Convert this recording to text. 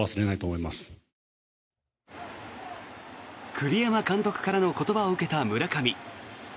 栗山監督からの言葉を受けた村上。